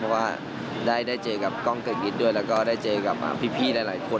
เพราะว่าได้เจอกับกล้องเกิกนิดด้วยแล้วก็ได้เจอกับพี่หลายคน